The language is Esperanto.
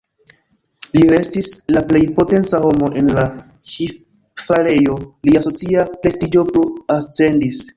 Li restis la plej potenca homo en la ŝipfarejo, lia socia prestiĝo plu ascendis.